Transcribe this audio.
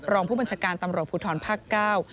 รองผู้บัญชาการตำรวจภูทรภาคเก้า